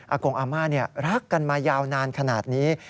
กงอาม่ารักกันมายาวนานขนาดนี้